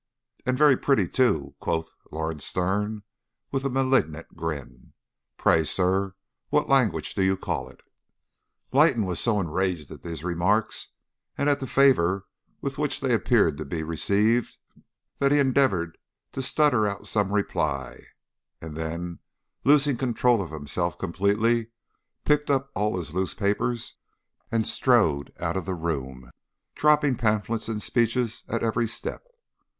"And very pretty, too," quoth Lawrence Sterne, with a malignant grin. "Pray sir, what language do you call it?" Lytton was so enraged at these remarks, and at the favour with which they appeared to be received, that he endeavoured to stutter out some reply, and then, losing control of himself completely, picked up all his loose papers and strode out of the room, dropping pamphlets and speeches at every step.